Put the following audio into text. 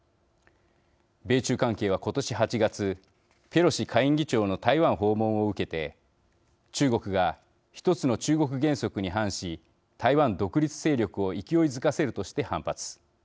米中関係は今年８月ペロシ下院議長の台湾訪問を受けて中国が１つの中国原則に反し台湾独立勢力を勢いづかせるとして反発。